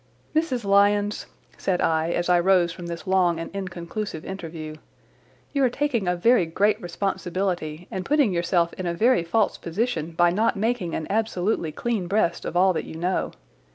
"Mrs. Lyons," said I as I rose from this long and inconclusive interview, "you are taking a very great responsibility and putting yourself in a very false position by not making an absolutely clean breast of all that you know.